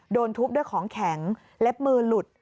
โดนทุบด้วยของแข็งเล็บมือหลุด